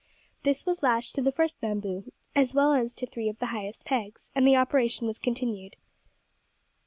This was lashed to the first bamboo, as well as to three of the highest pegs, and the operation was continued.